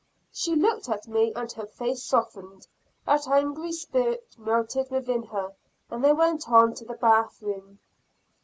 She looked at me, and her face softened; that angry spirit melted within her, and they went on to the bath room.